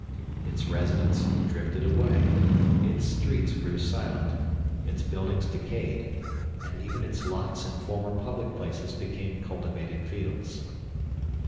Its residents drifted away, its streets grew silent, its buildings decayed, and even its lots and former public places became cultivated fields.